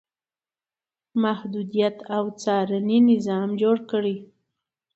محدودیت او څارنې نظام جوړ کړي.